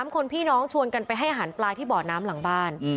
๓คนพี่น้องชวนกันไปให้อาหารปลาที่บ่อน้ำหลังบ้าน